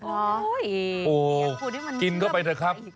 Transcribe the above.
โอ้โก๊กินเข้าไปแถวครับ